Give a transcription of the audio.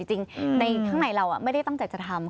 จริงในข้างในเราไม่ได้ตั้งใจจะทำ